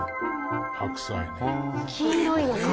黄色いのか。